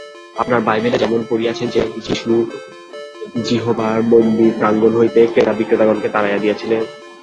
আপনারা বাইবেলে যেমন পড়িয়াছেন যে, যীশু যিহোবার মন্দির-প্রাঙ্গণ হইতে ক্রেতা-বিক্রেতাগণকে তাড়াইয়া দিয়াছিলেন।